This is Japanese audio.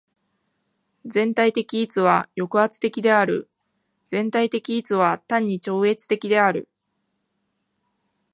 全体的一は抑圧的である。全体的一は単に超越的である。